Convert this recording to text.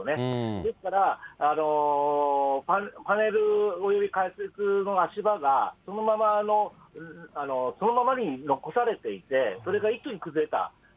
ですから、パネルおよび仮設の足場がそのまま残されていて、それが一気に崩れた。